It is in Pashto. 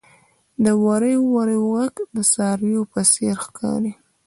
• د وریو وریو ږغ د څارويو په څېر ښکاري.